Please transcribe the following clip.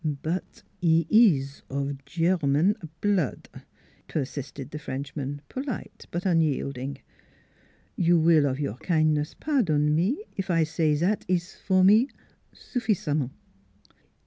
" But 'e ees of German bl lood," persisted the Frenchman, polite but unyielding. " You will of your kin'ness pardon me eef I say zat ees for me suffisamment.